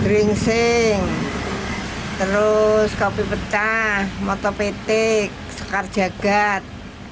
dringsing terus kopi petah motopetik sekar jagad